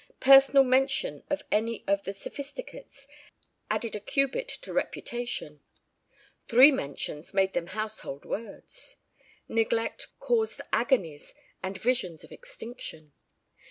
Personal mention of any of the Sophisticates added a cubit to reputation. Three mentions made them household words. Neglect caused agonies and visions of extinction.